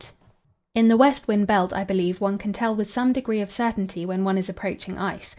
In the west wind belt I believe one can tell with some degree of certainty when one is approaching ice.